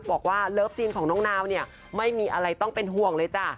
บอกว่าเลิฟซีนของน้องนาวเนี่ยไม่มีอะไรต้องเป็นห่วงเลยจ้ะ